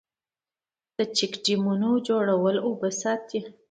د چک ډیمونو جوړول اوبه ساتي